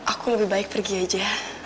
aku lebih baik pergi aja